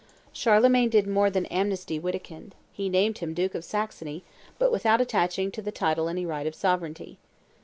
Charlemagne did more than amnesty Wittikind; he named him Duke of Saxony, but without attaching to the title any right of sovereignty.